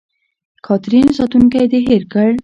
کاترین: ساتونکی دې هېر کړ.